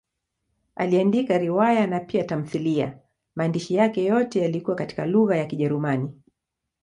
Aliandika riwaya na pia tamthiliya; maandishi yake yote yalikuwa katika lugha ya Kijerumani.